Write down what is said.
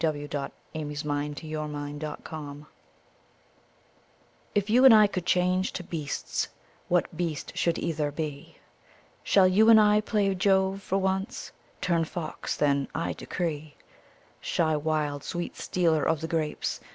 d by Google FANCIES AND FACTS 17 WHITE WITCHCRAFT If you and I could change to beasts, what beast should either be ? Shall you and I play Jove for once ? Turn fox then, I decree ! Shy wild sweet stealer of the grapes